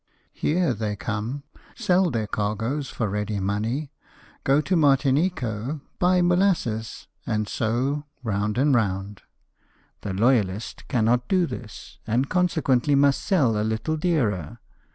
Here they come, sell their cargoes for ready money, go to Martinico, buy mo lasses, and so round and round. The loyalist cannot do this, and, consequently, must sell a little dearer.